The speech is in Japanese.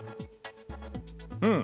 うん。